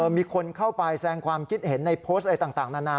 มีคนเข้าไปแสงความคิดเห็นในโพสต์อะไรต่างนานา